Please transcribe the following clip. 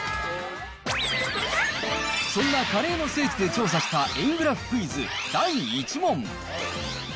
そんなカレーの聖地で調査した円グラフクイズ、第１問。